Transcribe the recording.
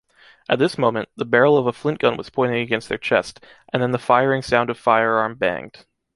At this moment, the barrel of a flint gun was pointing against their chest, and then the firing sound of firearm banged.